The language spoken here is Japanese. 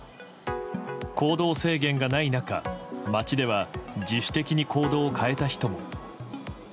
行動制限がない中街では自主的に行動を変えた人も。